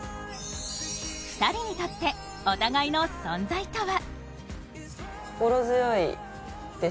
２人にとって、お互いの存在とは？